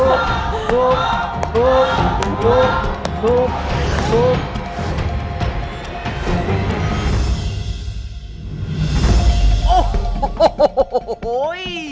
โอ๊ยโอ๊ยโอ๊ย